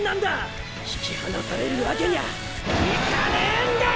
引き離されるわけにゃいかねんだよ！